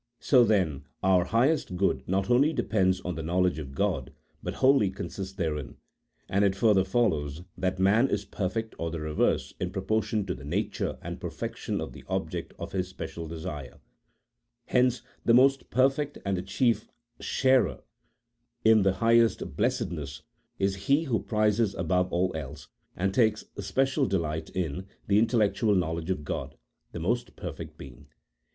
So, then, our highest good not only depends on the knowledge of God, but wholly consists therein ; and it further follows that man is perfect or the reverse in propor tion to the nature and perfection of the object of his special desire ; hence the most perfect and the chief sharer in the 60 A THEOLOGICO POLITICAL TREATISE. [CHAP. IV. highest blessedness is he who prizes above all else, and takes especial delight in, the intellectual knowledge of God, the most perfect Being.